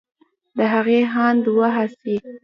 د هغې هاند و هڅې